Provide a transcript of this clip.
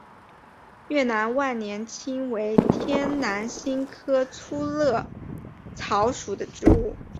越南万年青为天南星科粗肋草属的植物。